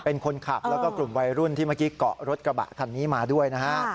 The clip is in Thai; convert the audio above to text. เป็นคนขับแล้วก็กลุ่มวัยรุ่นที่เมื่อกี้เกาะรถกระบะคันนี้มาด้วยนะฮะ